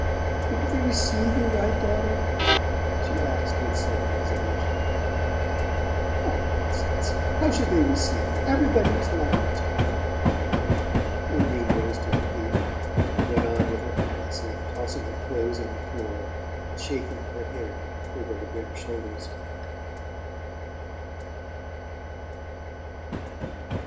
"Didn't they receive you right, daughter?" she asked with sudden resolution. "What nonsense! How should they receive me? Everybody was lovely to me." Undine rose to her feet and went on with her undressing, tossing her clothes on the floor and shaking her hair over her bare shoulders.